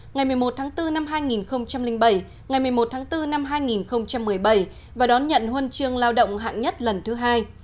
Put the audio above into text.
ngày một mươi một tháng bốn năm hai nghìn bảy ngày một mươi một tháng bốn năm hai nghìn một mươi bảy và đón nhận huân chương lao động hạng nhất lần thứ hai